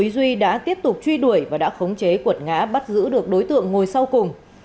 duy đã tiếp tục truy đuổi và đã khống chế cuột ngã bắt giữ được đối tượng ngồi sau cùng